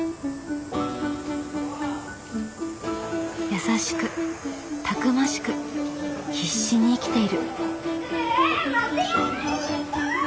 優しくたくましく必死に生きている。